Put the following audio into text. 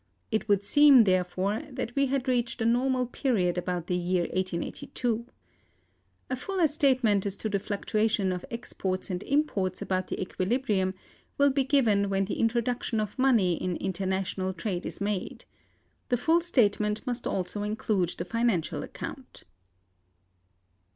It would seem, therefore, that we had reached a normal period about the year 1882.(271) A fuller statement as to the fluctuations of exports and imports about the equilibrium will be given when the introduction of money in international trade is made. The full statement must also include the financial account.